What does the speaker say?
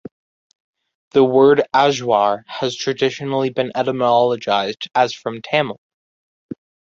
The word "azhwar" has traditionally been etymologized as from Tamil.